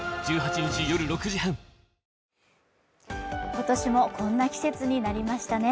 今年もこんな季節になりましたね。